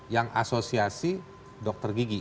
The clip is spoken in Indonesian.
yang asosiasi dokter gigi